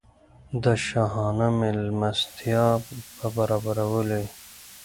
د شاهانه مېلمستیا په برابرولو یې.